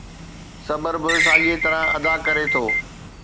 صبر به ساڳيءَ طرح ادا ڪري ٿو.